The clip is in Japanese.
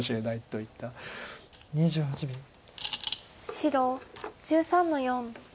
白１３の四。